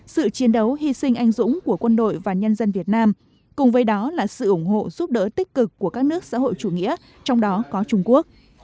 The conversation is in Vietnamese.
sự chiến đấu hy sinh anh dũng của quân đội và nhân dân việt nam cùng với đó là sự ủng hộ giúp đỡ tích cực của các nước xã hội chủ nghĩa trong đó có trung quốc